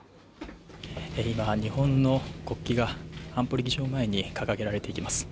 今、日本の国旗が安保理疑似錠前に掲げられます。